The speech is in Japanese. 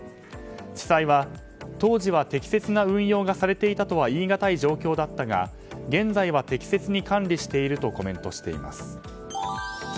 地裁は、当時は適切な運用がされていたとは言い難い状況だったが現在は適切に管理しているとコメントしています。